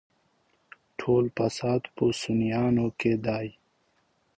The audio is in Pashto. ټول فساد په سنيانو کې دی.